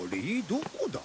どこだ？